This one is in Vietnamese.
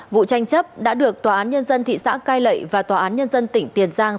vụ tranh chấp đã được tòa án nhân dân thị xã cai lậy và tòa án nhân dân tỉnh tiền giang